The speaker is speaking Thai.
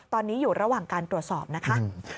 ตอนนี้อยู่ระหว่างการตรวจสอบนะคะ